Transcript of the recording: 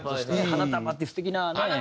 『花束』っていう素敵なねえ。